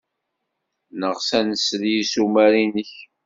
Neɣs ad nsel i yissumar-nnek.